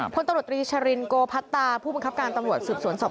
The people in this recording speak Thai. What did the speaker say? พนตรนิษฐริชารินโกพัดตาผู้บังคัดการตำรวจสืบสวนสวนสาว